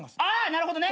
なるほどね。